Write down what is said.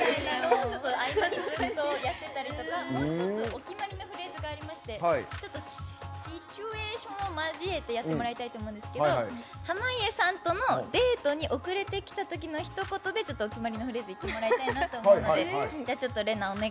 ちょっと合間にずっとやってたりとかもう一つお決まりのフレーズがありましてシチュエーションを交えてやってもらいたいと思うんですけど、濱家さんとのデートに遅れてきたときのひと言でちょっとお決まりのフレーズ言ってもらいたいなと思うので。